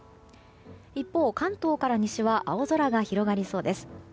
一方、関東から西は青空が広がりそうです。